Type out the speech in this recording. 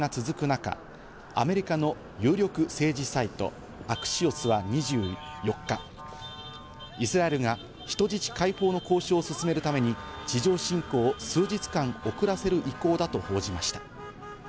衝突が続く中、アメリカの有力政治サイト、アクシオスは２４日、イスラエルが人質解放の交渉を進めるために地上侵攻を数日間遅らせる意向だと報じました。